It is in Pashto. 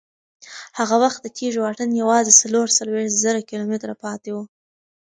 هغه وخت د تېږې واټن یوازې څلور څلوېښت زره کیلومتره پاتې و.